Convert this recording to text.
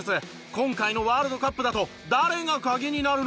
今回のワールドカップだと誰がカギになるの？